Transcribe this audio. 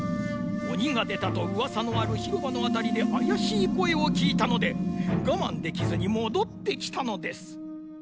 おにがでたとうわさのあるひろばのあたりであやしいこえをきいたのでがまんできずにもどってきたのです。